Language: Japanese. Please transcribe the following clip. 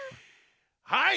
はい！